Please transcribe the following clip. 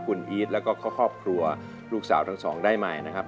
คุณอีทแล้วก็ครอบครัวลูกสาวทั้งสองได้ใหม่นะครับ